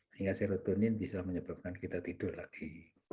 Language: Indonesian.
sehingga serotonin bisa menyebabkan kita tidur lagi